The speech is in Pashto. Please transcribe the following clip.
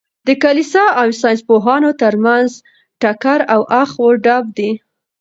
د کلیسا او ساینس پوهانو تر منځ ټکر او اخ و ډب دئ.